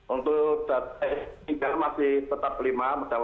untuk tiga masih tetap lima mendaftar tidak bertanda